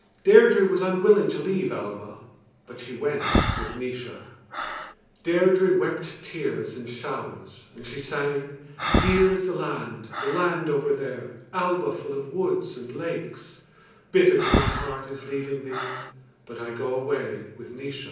Deirdre was unwilling to leave Alba, but she went with Naois. Deirdre wept tears in showers and she sang: Dear is the land, the land over there, Alba full of woods and lakes; Bitter to my heart is leaving thee, But I go away with Naois.